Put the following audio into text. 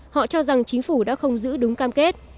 họ cho rằng chính phủ đã không giữ đúng cam kết